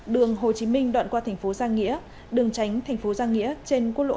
đường hồ chí minh đoạn qua thành phố giang nghĩa đường tránh thành phố giang nghĩa trên quốc lộ hai mươi tám